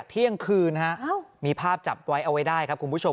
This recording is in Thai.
เที่ยงคืนฮะมีภาพจับไว้เอาไว้ได้ครับคุณผู้ชม